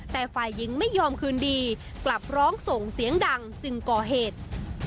แต่ฝ่ายหญิงไม่ยอมคืนดีกลับร้องส่งเสียงดังจึงก่อเหตุ